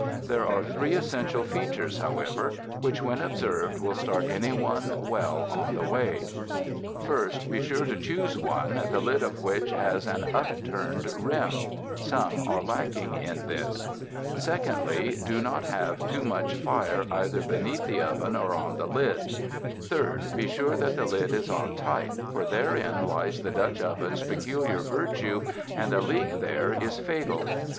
There are three essential features however, which when observed will start anyone well on the way: First, be sure to choose one the lid of which has an upturned rim. Some are lacking in this. Secondly, do not have too much fire either be neath the oven or on the lid. Third, be sure that the lid is on tight, for therein lies the Dutch oven's peculiar virtue, and a leak there is fatal.